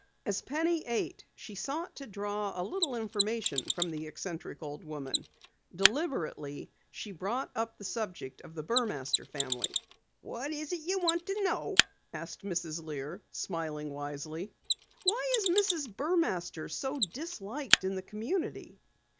As Penny ate, she sought to draw a little information from the eccentric old woman. Deliberately, she brought up the subject of the Burmaster family. "What is it you want to know?" Mrs. Lear asked, smiling wisely. "Why is Mrs. Burmaster so disliked in the community?"